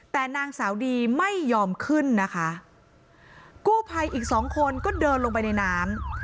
แต่นางสาวดีไม่ยอมขึ้นนะคะกู้ภัยอีกสองคนก็เดินลงไปในน้ำ